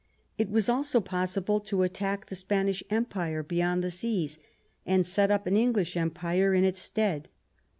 It was also possible to attack the Spanish Empire beyond the seas, and set up an English Empire in its stead.